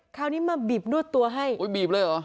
คราวนี้มาบีบนวดตัวให้โอ้ยบีบเลยเหรอ